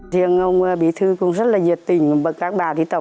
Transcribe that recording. thì ông bí thư cũng rất là nhiệt tình bằng các bà đi tập